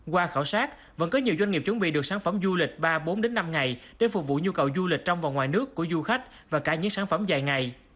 qua khảo sát vẫn có nhiều doanh nghiệp chuẩn bị được sản phẩm du lịch ba bốn năm ngày để phục vụ nhu cầu du lịch trong và ngoài nước của du khách và cả những sản phẩm dài ngày